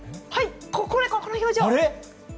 この表情。